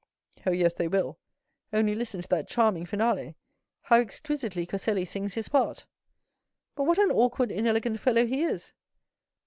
"Oh, yes, they will; only listen to that charming finale. How exquisitely Coselli sings his part." "But what an awkward, inelegant fellow he is."